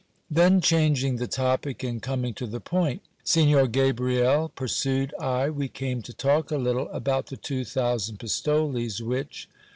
Then changing the topic, and coming to the point : Signor Gabriel, pursued I, we came to talk a little about the two thousand pistoles which